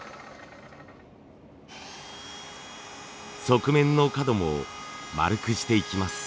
側面の角も丸くしていきます。